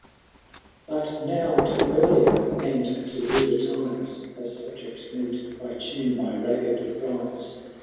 » II. But now to earlier and to ruder times. As subject ineet, I tune my rugged rhymes.